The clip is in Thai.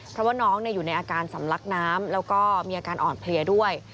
เพราะว่าน้องอยู่ในอาการสำลักน้ำแล้วก็มีอาการอ่อนเพลียด้วย